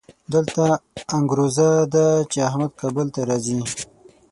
دلته انګروزه ده چې احمد کابل ته راځي.